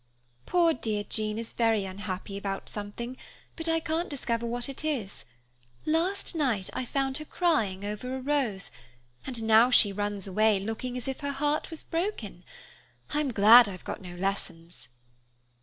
"Poor, dear Jean is very unhappy about something, but I can't discover what it is. Last night I found her crying over a rose, and now she runs away, looking as if her heart was broken. I'm glad I've got no lessons."